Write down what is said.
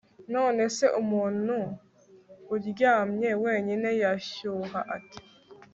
none se umuntu uryamye wenyine yashyuha ate